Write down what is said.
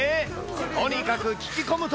とにかく聞き込むと。